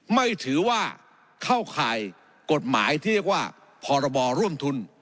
ไม่ถือว่าเข้าข่ายกฎหมายที่เรียกว่าพรบร่วมทุน